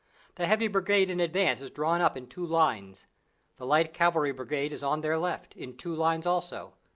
The heavy brigade in advance is drawn up in two lines. The light cavalry brigade is on their left, in two lines also.